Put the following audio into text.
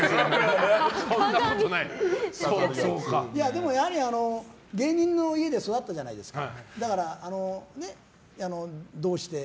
でもやはり、芸人の家で育ったじゃないですか。